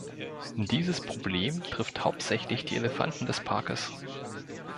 Dieses Problem trifft hauptsächlich die Elefanten des Parkes.